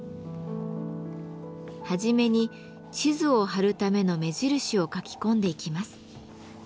はじめに地図を貼るための目印を書き込んでいきます。